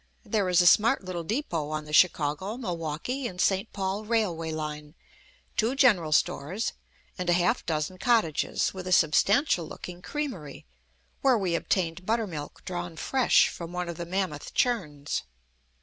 There is a smart little depot on the Chicago, Milwaukee, and St. Paul railway line, two general stores, and a half dozen cottages, with a substantial looking creamery, where we obtained buttermilk drawn fresh from one of the mammoth churns.